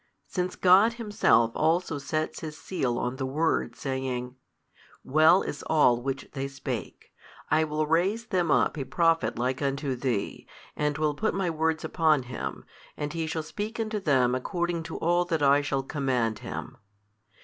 Since God Himself also sets His seal on the word saying, Well is all which they spake; I will raise them up a Prophet like unto thee, and will put My Words upon Him, and He shall speak unto them according to all that I shall command Him.